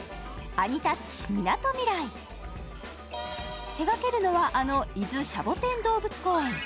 アニタッチみなとみらい手がけるのはあの伊豆シャボテン動物公園